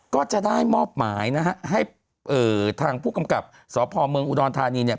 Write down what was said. ก็จะได้มอบหมายนะฮะให้เอ่อทางผู้กำกับสพเมืองอุดรธานีเนี่ย